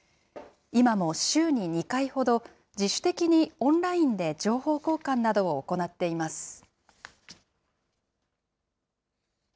今も週に２回ほど、自主的にオンラインで情報交換などを行っています。